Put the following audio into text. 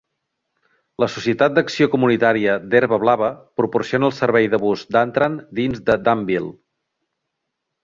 La Societat d'Acció Comunitària d'Herba Blava proporciona el servei de bus DanTran dins de Danville.